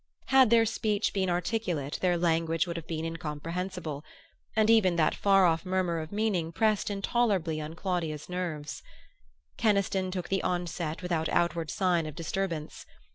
Had their speech been articulate their language would have been incomprehensible; and even that far off murmur of meaning pressed intolerably on Claudia's nerves. Keniston took the onset without outward sign of disturbance.